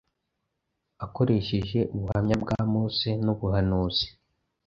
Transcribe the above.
Akoresheje ubuhamya bwa Mose n’abahanuzi